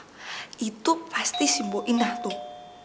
wah itu pasti si mbok ina tuh